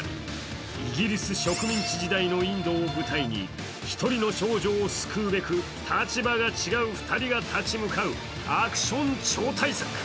イギリス植民地時代のインドを舞台に一人の少女を救うべく立場が違う２人が立ち向かうアクション超大作。